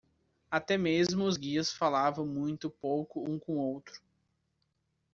Até mesmo os guias falavam muito pouco um com o outro.